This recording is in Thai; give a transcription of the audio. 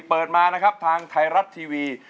เปิดมานะครับทางไทยรัฐทีวี